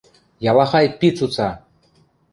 Ялахай пи цуца!